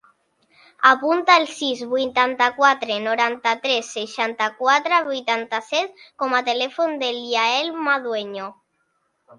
Apunta el sis, vuitanta-quatre, noranta-tres, seixanta-quatre, vuitanta-set com a telèfon del Yael Madueño.